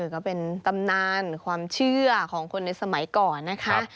ก็เป็นตำนานความเชื่อของคนในสมัยก่อนนะคะ